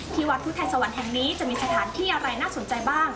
วัดพุทธไทยสวรรค์แห่งนี้จะมีสถานที่อะไรน่าสนใจบ้าง